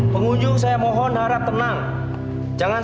pengunjung saya mohon harap tenang